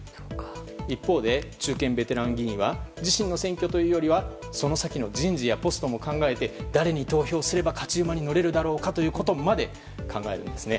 一方で中堅ベテラン議員は自身の選挙というよりはその先の人事やポストも考えて、誰に投票すれば勝ち馬に乗れるだろうかということまで考えるんですね。